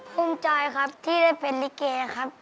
ภูมิใจครับที่ได้เป็นลิเกครับ